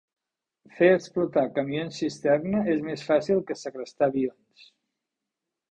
Fer explotar camions cisterna és més fàcil que segrestar avions.